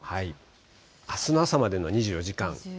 あすの朝までの２４時間。